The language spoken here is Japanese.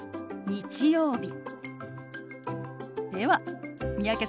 日曜日。